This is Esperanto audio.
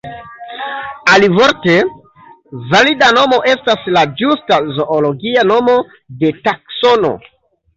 Alivorte: valida nomo estas la ĝusta zoologia nomo de taksono.